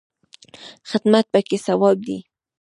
خدمت پکې ثواب دی